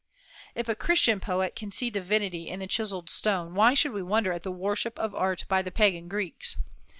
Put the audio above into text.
If a Christian poet can see divinity in the chiselled stone, why should we wonder at the worship of art by the pagan Greeks?